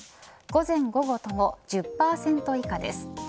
午前、午後とも１０％以下です。